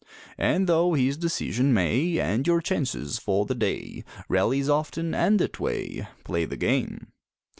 And though his decision may End your chances for the day, Rallies often end that way Play the game!